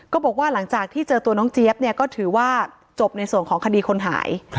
ก็บอกว่าหลังจากที่เจอตัวน้องเจี๊ยบเนี่ยก็ถือว่าจบในส่วนของคดีคนหาย